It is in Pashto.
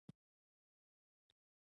خو د کندهار تر څنډو هم نه را ورسېدل.